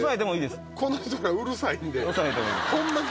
この人らうるさいんで。